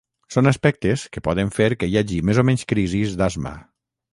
Són aspectes que poden fer que hi hagi més o menys crisis d’asma.